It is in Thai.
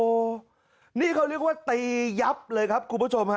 โอ้โหนี่เขาเรียกว่าตียับเลยครับคุณผู้ชมฮะ